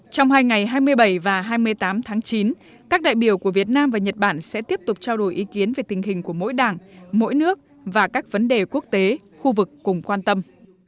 trong hai ngày hai mươi bảy và hai mươi tám tháng chín các đại biểu của việt nam và nhật bản sẽ tiếp tục trao đổi ý kiến về tình hình của mỗi đảng mỗi nước và các vấn đề quốc tế khu vực cùng quan tâm